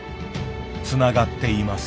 つながっています。